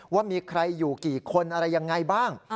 ว่ามีใครอยู่กี่คนอะไรยังไงบ้าง